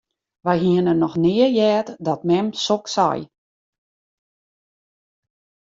Wy hiene noch nea heard dat mem soks sei.